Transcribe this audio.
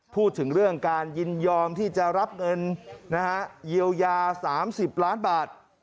พูดถึงเรื่องการยินยอมที่จะรับเงินเยียวยา๓๐ล้านบาท